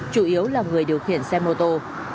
chủ yếu là người điều khiển xe mô tô